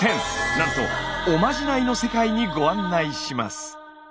なんと「おまじない」の世界にご案内します。